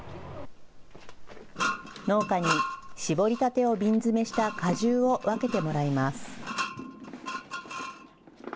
農家に搾りたてを瓶詰めした果汁を分けてもらいます。